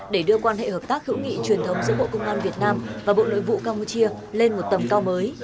để đưa quan hệ hợp tác hữu nghị truyền thống giữa bộ công an việt nam và bộ nội vụ campuchia lên một tầm cao mới